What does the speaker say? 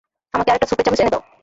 আমাকে আরেকটা স্যুপের চামচ এনে দাও।